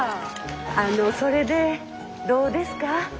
あのそれでどうですか？